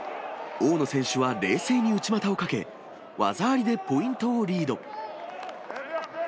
大野選手は冷静に内股をかけ、技ありでポイントをリード。